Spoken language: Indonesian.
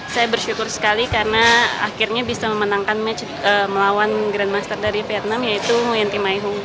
saya bersyukur sekali karena akhirnya bisa memenangkan match melawan grandmaster dari vietnam yaitu nguyen thi mai hung